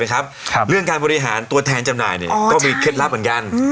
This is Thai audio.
การบริหารตัวแทนจำหน่ายก็มีเคล็ดลับเหมือนกัน